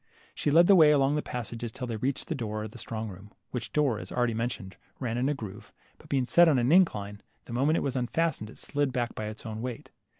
She led the way along the passages till they reached the door of the strong room, which door, as already mentioned, ran in a groove ; but being set on an incline, the moment it was unfastened, it slid LITTLE HANS. 41 back by its own weight.